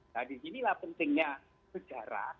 nah disinilah pentingnya sejarah